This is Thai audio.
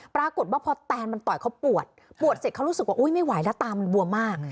ปรากฏว่าพอแตนมันต่อยเขาปวดปวดเสร็จเขารู้สึกว่าอุ๊ยไม่ไหวแล้วตามันบวมมาก